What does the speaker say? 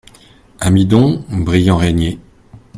Amidon Brillant Rénier.